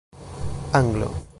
Anglo